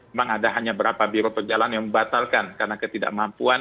memang ada hanya beberapa biro perjalanan yang membatalkan karena ketidakmampuan